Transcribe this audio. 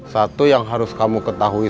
satu yang harus kamu ketahui